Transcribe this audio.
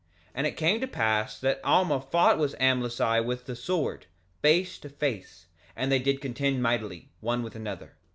2:29 And it came to pass that Alma fought with Amlici with the sword, face to face; and they did contend mightily, one with another.